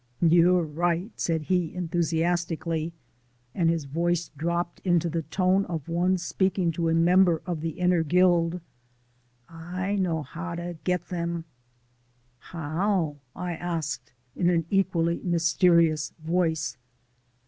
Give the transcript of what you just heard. "You're right," said he enthusiastically, and his voice dropped into the tone of one speaking to a member of the inner guild. "I know how to get 'em." "How?" I asked in an equally mysterious voice.